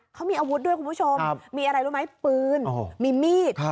เขามีอาวุธด้วยคุณผู้ชมมีอะไรรู้ไหมปืนมีมีด